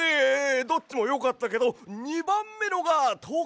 どっちもよかったけど２ばんめのがとくにいい！